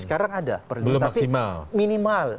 sekarang ada tapi minimal